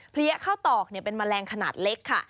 เลี้ยข้าวตอกเป็นแมลงขนาดเล็กค่ะ